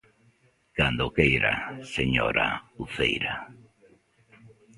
Cando queira, señora Uceira.